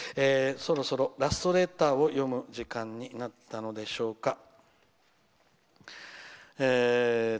そろそろ、ラストレターを読む時間になったのでしょうか。